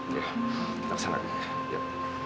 kita ke sana dulu